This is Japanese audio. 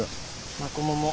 マコモも。